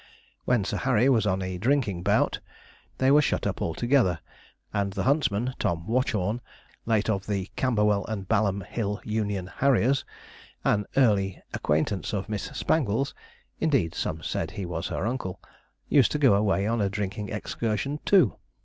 When Sir Harry was on a drinking bout they were shut up altogether; and the huntsman, Tom Watchorn, late of the 'Camberwell and Balham Hill Union Harriers,' an early acquaintance of Miss Spangles indeed, some said he was her uncle used to go away on a drinking excursion too.